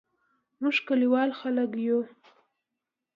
موږ کلیوال خلګ یو